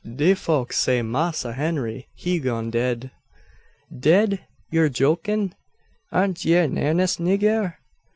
de folks say Massa Henry he gone dead." "Dead! Yur jokin'? Air ye in airnest, nigger?"